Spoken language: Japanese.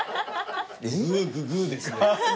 グーググーですね。